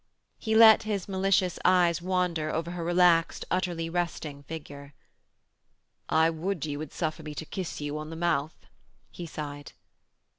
He let his malicious eyes wander over her relaxed, utterly resting figure. 'I would ye would suffer me to kiss you on the mouth,' he sighed.